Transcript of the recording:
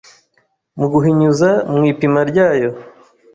mu guhinyuza mu ipima ryayo